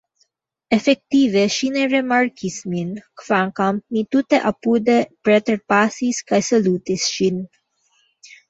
Efektive ŝi ne rimarkis min, kvankam mi tute apude preterpasis kaj salutis ŝin.